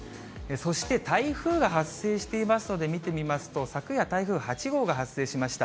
そして台風が発生していますので、見てみますと、昨夜、台風８号が発生しました。